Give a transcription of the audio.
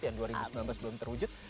yang dua ribu sembilan belas belum terwujud